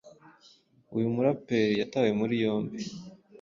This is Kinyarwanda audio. uyu muraperi yatawe muri yombi